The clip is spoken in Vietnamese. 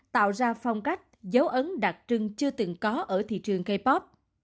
tạo ra phong cách dấu ấn đặc trưng chưa từng có ở thị trường k pop